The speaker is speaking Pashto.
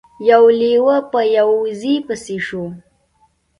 یو لیوه په یوې وزې پسې شو.